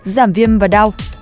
giảm viêm và đau